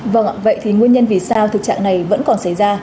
vâng ạ vậy thì nguyên nhân vì sao thực trạng này vẫn còn xảy ra